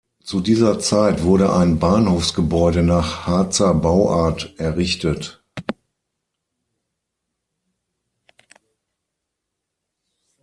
Zu dieser Zeit wurde ein Bahnhofsgebäude nach Harzer Bauart errichtet.